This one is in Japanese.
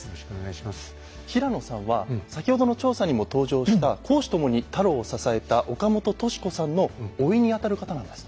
平野さんは先ほどの調査にも登場した公私ともに太郎を支えた岡本敏子さんのおいにあたる方なんです。